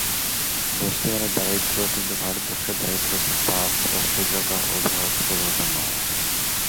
বস্তি মানেই দারিদ্র্য! কিন্তু ভারতবর্ষে দারিদ্র্যের অর্থ পাপ, অশ্লীলতা ও অপরাধ-প্রবণতা নয়।